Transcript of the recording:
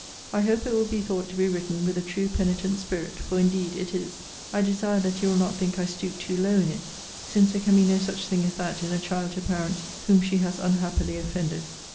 I hope it will be thought to be written with a true penitent spirit; for indeed it is. I desire that you will not think I stoop too low in it; since there can be no such thing as that in a child to parents whom she has unhappily offended.